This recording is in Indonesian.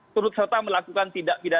turut serta melakukan tindak pidana